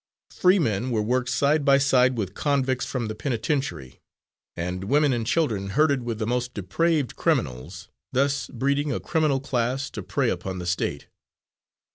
Free men were worked side by side with convicts from the penitentiary, and women and children herded with the most depraved criminals, thus breeding a criminal class to prey upon the State.